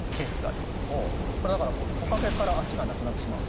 だからトカゲから脚がなくなってしまう。